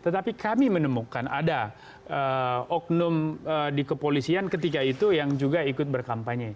tetapi kami menemukan ada oknum di kepolisian ketika itu yang juga ikut berkampanye